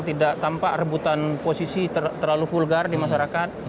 tidak tampak rebutan posisi terlalu vulgar di masyarakat